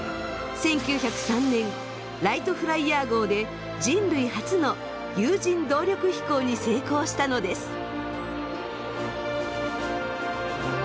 １９０３年ライトフライヤー号で人類初の有人動力飛行に成功したのです。